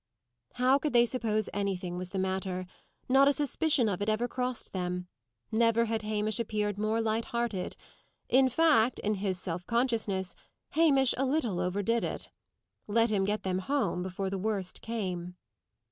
How could they suppose anything was the matter? Not a suspicion of it ever crossed them. Never had Hamish appeared more light hearted. In fact, in his self consciousness, Hamish a little overdid it. Let him get them home before the worst came!